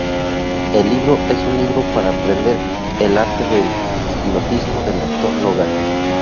El libro es un libro para aprender el arte del hipnotismo del doctor Logan.